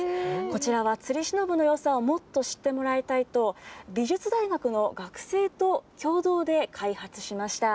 こちらはつりしのぶのよさをもっと知ってもらいたいと、美術大学の学生と共同で開発しました。